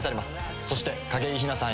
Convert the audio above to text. そして景井ひなさん